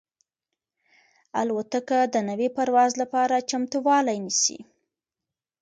الوتکه د نوي پرواز لپاره چمتووالی نیسي.